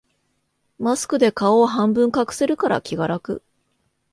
マスクで顔を半分隠せるから気が楽